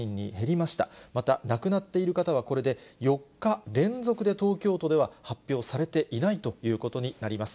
また、亡くなっている方はこれで４日連続で、東京都では発表されていないということになります。